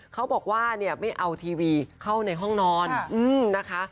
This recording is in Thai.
เขาบอกว่าเนี่ยไม่เอาทีวีเข้าในห้องนอนนะคะ